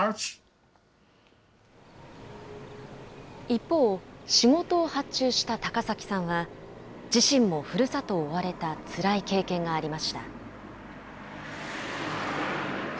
一方、仕事を発注した高崎さんは、自身もふるさとを追われたつらい経験がありました。